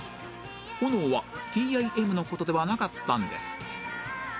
炎は ＴＩＭ の事ではなかったんです